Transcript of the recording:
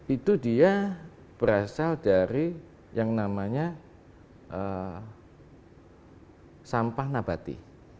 itu dia berasal dari yang namanya sampah nabati